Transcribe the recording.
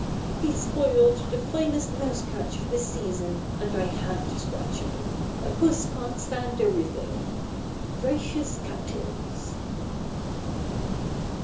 _) (Tabitha Tiger) He spoiled the finest mouse catch of the season, and I had to scratch him a puss can't stand everything! Gracious Cattails!